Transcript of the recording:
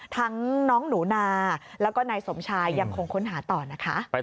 น้องหนูนาแล้วก็นายสมชายยังคงค้นหาต่อนะคะ